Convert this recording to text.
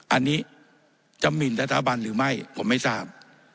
อันนี้จะหมินสถาบันหรือไม่ผมไม่ทราบ